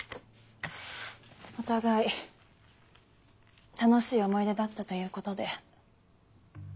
お互い楽しい思い出だったということで。